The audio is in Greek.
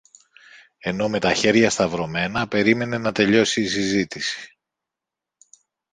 ενώ με τα χέρια σταυρωμένα περίμενε να τελειώσει η συζήτηση